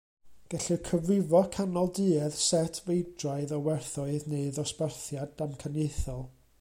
Gellir cyfrifo canolduedd set feidraidd o werthoedd neu ddosbarthiad damcaniaethol.